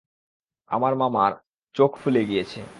আমার মামার চোখ মুখ ফুলে গিয়েছে।